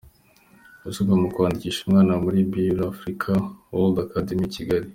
Ibisabwa mukwandikisha umwana muri Birla Africa World Academy-Kigali.